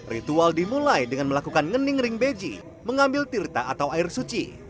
ritual dimulai dengan melakukan ngening ring beji mengambil tirta atau air suci